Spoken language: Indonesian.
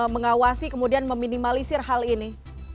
mengawasi kemudian meminimalisir hal ini